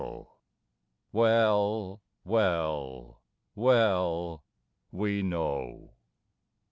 Well, well, well, we know!